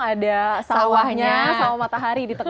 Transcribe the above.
ada sawahnya sama matahari di tengah